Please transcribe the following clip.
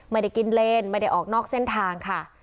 ไม่ได้กินเลนไม่ได้ออกนอกเส้นทางค่ะ